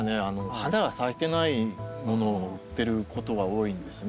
花が咲いてないものを売ってることは多いんですね。